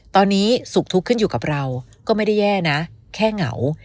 ตอนนี้สุขทุกข์ขึ้นอยู่กับเราก็ไม่ได้แย่นะแค่เหงา